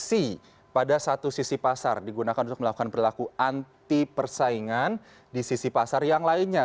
investasi pada satu sisi pasar digunakan untuk melakukan perilaku anti persaingan di sisi pasar yang lainnya